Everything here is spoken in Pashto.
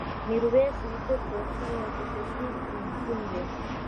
ميرويس نيکه پوهنتون يو خصوصي پوهنتون دی.